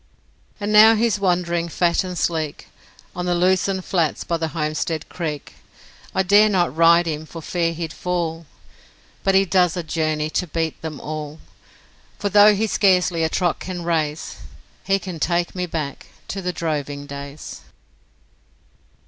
And now he's wandering, fat and sleek, On the lucerne flats by the Homestead Creek; I dare not ride him for fear he'd fall, But he does a journey to beat them all, For though he scarcely a trot can raise, He can take me back to the droving days.